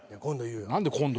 何で今度？